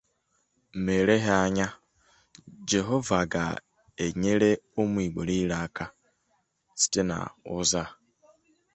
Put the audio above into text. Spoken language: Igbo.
Maazị Alen Onyema ga-ebu ụgbọelu Air Peace ya wee wụchaa n'ọdụ ụgbọelu ọhụrụ ahụ